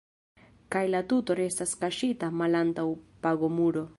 Kaj la tuto restas kaŝita malantaŭ pagomuro.